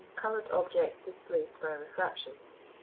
COLOURED OBJECTS DISPLACED BY REFRACTION.